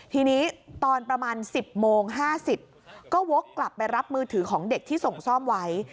ทีนี้ตอนประมาณ๑๐โมง๕๐ก็วกกลับไปรับมือถือของเด็กที่ส่งซ่อมไว้